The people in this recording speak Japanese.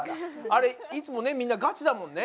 あれいつもねみんなガチだもんね？